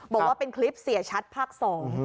บอกว่าเป็นคลิปเสียชัดภาคสอง